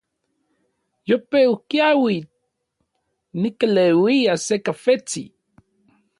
Yope kiaui, nikeleuia se kafentsi.